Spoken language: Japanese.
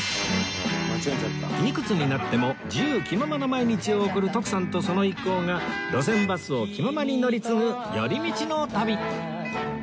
いくつになっても自由気ままな毎日を送る徳さんとその一行が路線バスを気ままに乗り継ぐ寄り道の旅